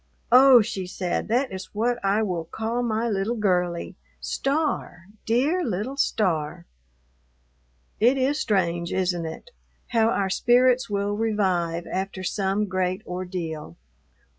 "Oh," she said, "that is what I will call my little girlie, Star, dear little Star." It is strange, isn't it? how our spirits will revive after some great ordeal.